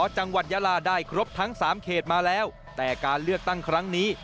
จังหวัดยาลาได้ครบทั้ง๓เขตมาแล้วแต่การเลือกตั้งครั้งนี้